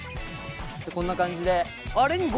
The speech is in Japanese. こんな感じで。